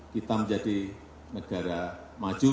kita menjadi negara maju